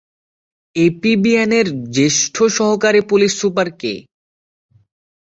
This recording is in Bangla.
এপিবিএনের জ্যেষ্ঠ সহকারী পুলিশ সুপার কে?